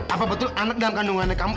apa betul anak dalam kandungannya kamu